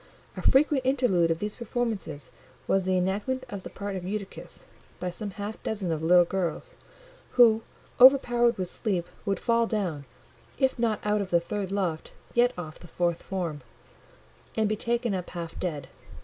A frequent interlude of these performances was the enactment of the part of Eutychus by some half dozen of little girls, who, overpowered with sleep, would fall down, if not out of the third loft, yet off the fourth form, and be taken up half dead.